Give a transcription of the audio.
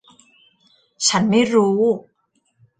ฉันไม่รู้.